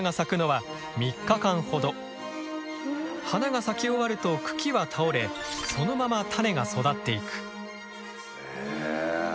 花が咲き終わると茎は倒れそのまま種が育っていく。